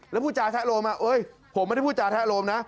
แล้วผู้จาแทะลงอ่ะเอ้ยผมไม่ได้ผู้จาแทะลงนะ